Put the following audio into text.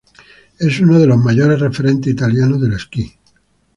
Es uno de los mayores referentes italianos del esquí.